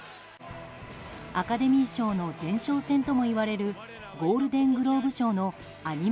アカデミー賞の前哨戦ともいわれるゴールデングローブ賞のアニメ